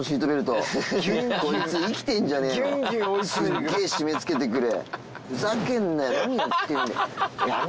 すっげぇ締め付けてくる。